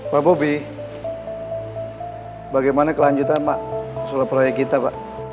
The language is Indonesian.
pak bobi bagaimana kelanjutan pak soal proyek kita pak